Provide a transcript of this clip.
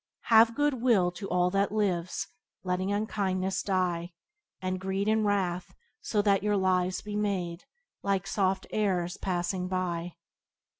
"Have good will To all that lives, letting unkindness die And greed and wrath; so that your lives be made Like soft airs passing by."